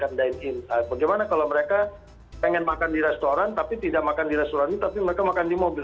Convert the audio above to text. bagaimana kalau mereka pengen makan di restoran tapi tidak makan di restoran ini tapi mereka makan di mobil